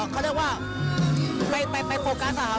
เขาเรียกว่าไปโฟกัส